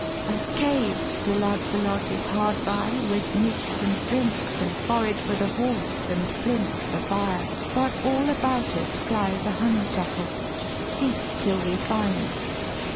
A cave, Sir Lancelot, is hard by, with meats and drinks And forage for the horse, and flint for fire. But all about it flies a honeysuckle. Seek, till we find.'